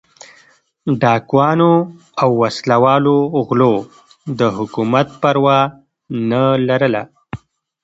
ډاکوانو او وسله والو غلو د حکومت پروا نه لرله.